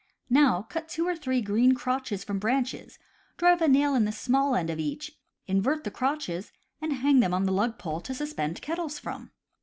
Now cut two or three green crotches from branches, drive a nail in the small end of each, invert the crotches, and hang them on the lug pole to suspend kettles from.